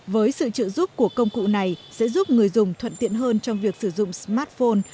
với sự trợ giúp của công cụ này sẽ giúp người dùng thuận tiện hơn trong việc sử dụng smartphone